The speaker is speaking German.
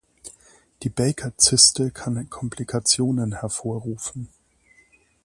Die Baker-Zyste kann Komplikationen hervorrufen.